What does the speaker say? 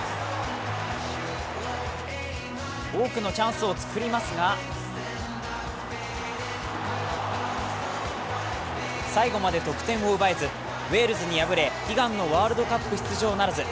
多くのチャンスを作りますが最後まで得点を奪えず、ウェールズに敗れ悲願のワールドカップ出場ならず。